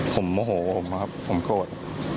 ผมโมโหผมอะครับผมโกรธ